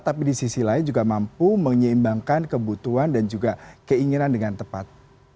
tapi di sisi lain juga mampu menyeimbangkan kebutuhan dan juga keinginan dengan tepat